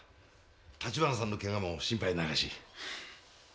橘さんのケガも心配ないらしい。